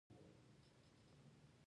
• بد نیت د انسان عزت ته زیان رسوي.